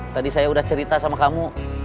tadi saya udah cerita sama kamu